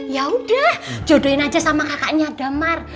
ya udah jodohin aja sama kakaknya damar